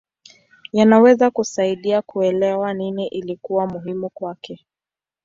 Yanaweza kusaidia kuelewa nini ilikuwa muhimu kwake.